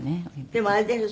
でもあれでしょ。